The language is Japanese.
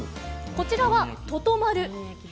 こちらは、ととまる。